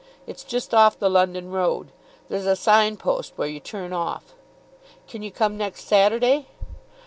It's just off the London road. There's a sign post where you turn off. Can you come next Saturday?"